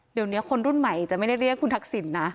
เดี๋ยวนี้คนรุ่นใหม่จะไม่ได้เรียกคุณทักษิณนะ